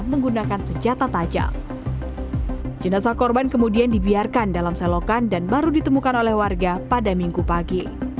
menggunakan senjata tajam jenazah korban kemudian dibiarkan dalam selokan dan baru ditemukan oleh warga pada minggu pagi